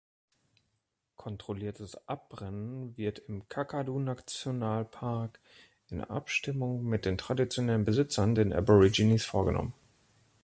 Kontrolliertes Abbrennen wird im Kakadu-Nationalpark in Abstimmung mit den traditionellen Besitzern, den Aborigines vorgenommen.